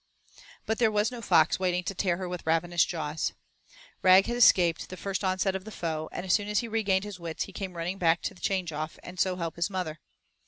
But there was no fox waiting to tear her with ravenous jaws. Rag had escaped the first onset of the foe, and as soon as he regained his wits he came running back to change off and so help his mother.